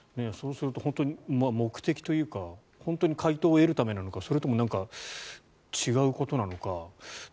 そうすると目的というか本当に解答を得るためなのかそれとも違うことなのか。